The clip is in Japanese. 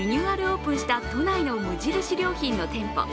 オープンした都内の無印良品の店舗。